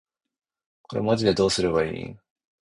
これマジでどうすれば良いん？